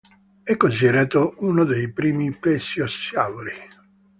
È considerato uno dei primi plesiosauri.